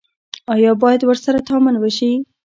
آیا باید ورسره تعامل ونشي؟